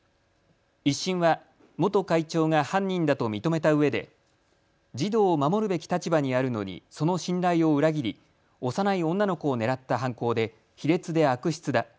１審は元会長が犯人だと認めたうえで児童を守るべき立場にあるのにその信頼を裏切り幼い女の子を狙った犯行で卑劣で悪質だ。